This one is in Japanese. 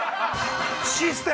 システム！